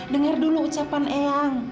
dengar dulu ucapan eang